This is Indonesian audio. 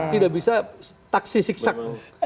tidak bisa taksi siksak